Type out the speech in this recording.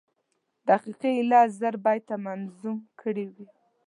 دقیقي ایله زر بیته منظوم کړي وو.